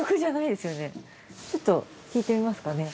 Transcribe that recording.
ちょっと聞いてみますかね。